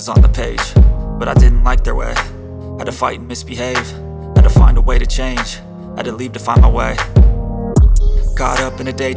sejak hari itu tiga tahun mama gak pulang